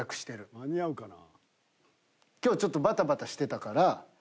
間に合うかな。